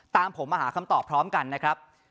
ตามผมมาหาคำตอบพร้อมกันนะครับ